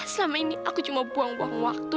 selama ini aku cuma buang buang waktu